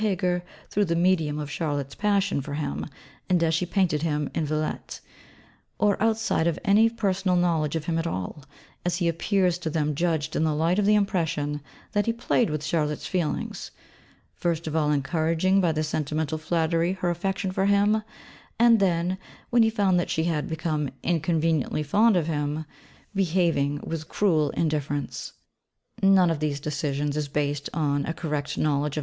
Heger through the medium of Charlotte's passion for him and as she painted him in Villette; or outside of any personal knowledge of him at all, as he appears to them judged in the light of the impression that he played with Charlotte's feelings: first of all encouraging by sentimental flattery her affection for him, and then, when he found that she had become inconveniently fond of him, behaving with cruel indifference. None of these decisions is based on a correct knowledge of M.